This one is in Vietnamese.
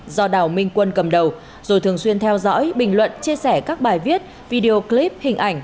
do đào minh quân cầm đầu rồi thường xuyên theo dõi bình luận chia sẻ các bài viết video clip hình ảnh